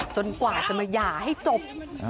กว่าจะมาหย่าให้จบ